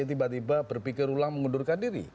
tiba tiba berpikir ulang mengundurkan diri